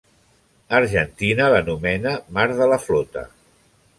Argentina l'anomena Mar de la Flota.